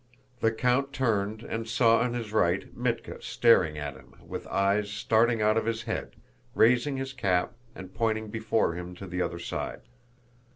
The count turned and saw on his right Mítka staring at him with eyes starting out of his head, raising his cap and pointing before him to the other side.